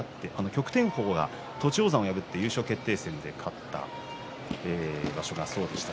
旭天鵬が栃煌山を破って優勝決定戦で勝った場所だそうでした。